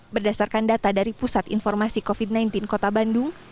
berdasarkan data dari pusat informasi covid sembilan belas kota bandung